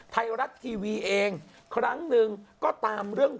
ไทยรัฐทีวีเองครั้งหนึ่งก็ตามเรื่อง